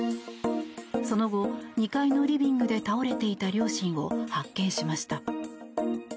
その後、２階のリビングで倒れていた両親を発見しました。